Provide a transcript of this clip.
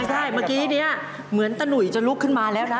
ใช่เมื่อกี้นี้เหมือนตะหนุ่ยจะลุกขึ้นมาแล้วนะ